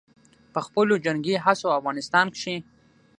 په خپلو جنګي هڅو او افغانستان کښې